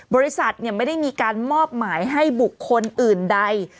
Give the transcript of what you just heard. บริษัทไม่ได้มีการมอบหมายให้บุคคลอื่นใด